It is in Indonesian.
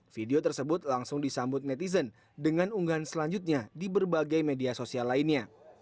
video tersebut langsung disambut netizen dengan unggahan selanjutnya di berbagai media sosial lainnya